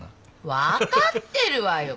分かってるわよ。